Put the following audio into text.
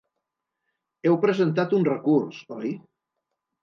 Heu presentat un recurs, oi?